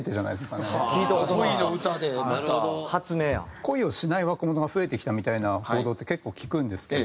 恋をしない若者が増えてきたみたいな報道って結構聞くんですけど。